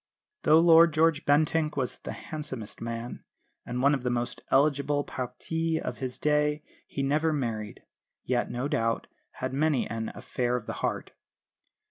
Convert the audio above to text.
Though Lord George Bentinck was the handsomest man, and one of the most eligible partis of his day he never married; yet, no doubt, he had many an "affair of the heart."